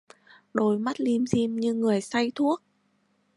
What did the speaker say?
Đôi mắt lim dim như người say thuốc